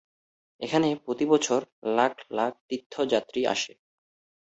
এখানে প্রতিবছর লাখ লাখ তীর্থযাত্রী আসে।